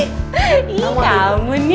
enggak mau ibu